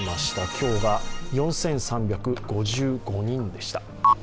今日が４３５５人でした。